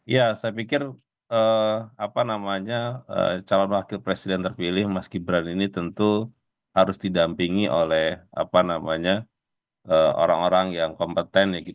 ya saya pikir calon wakil presiden terpilih mas gibran ini tentu harus didampingi oleh orang orang yang kompeten